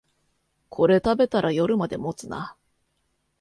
これ食べたら夜まで持つな